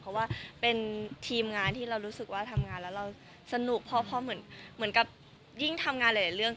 เพราะว่าเป็นทีมงานที่เรารู้สึกว่าทำงานแล้วเราสนุกพอเหมือนกับยิ่งทำงานหลายเรื่อง